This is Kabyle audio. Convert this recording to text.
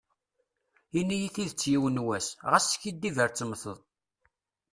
Ini-yi tidet yiwen was, ɣas skiddib ar temteḍ.